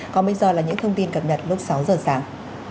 còn bây giờ là những thông tin cập nhật lúc sáu giờ sáng